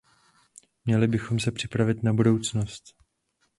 Měli bychom se připravit na budoucnost.